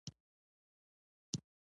پیشو د خدای لپاره موږک نه نیسي.